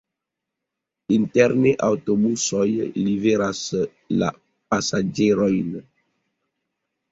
Interne aŭtobusoj liveras la pasaĝerojn.